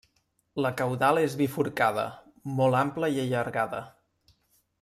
La caudal és bifurcada, molt ampla i allargada.